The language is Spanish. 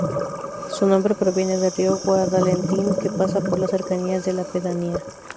Su nombre proviene del río Guadalentín, que pasa por las cercanías de la pedanía.